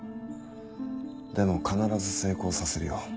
でも必ず成功させるよ。